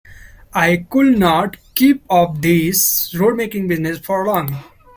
I could not keep up this roadmaking business for long.